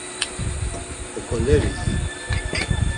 Oǩolerii?